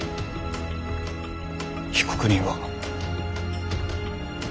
被告人は。